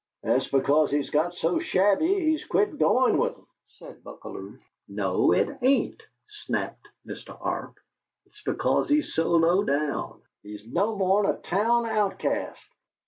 "That's because he's got so shabby he's quit goin' with em," said Buckalew. "No, it ain't," snapped Mr. Arp. "It's because he's so low down. He's no more 'n a town outcast.